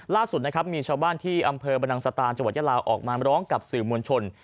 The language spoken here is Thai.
ล่าสุดมีชาวบ้านที่อำเภอบรรดางสตาจยะลาออกมาร้องกับสื่อมวลชน